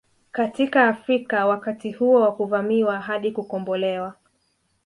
Katika Afrika wakati huo wa kuvamiwa hadi kukombolewa